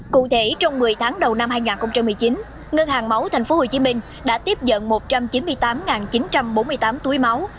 cụ thể trong một mươi tháng đầu năm hai nghìn một mươi chín ngân hàng máu tp hcm đã tiếp nhận một trăm chín mươi tám chín trăm bốn mươi tám túi máu